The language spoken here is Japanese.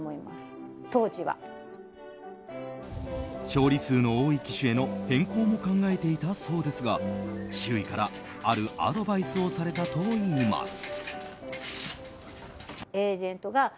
勝利数の多い騎手への変更も考えていたそうですが周囲から、あるアドバイスをされたといいます。